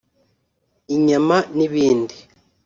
inyama n’ibindi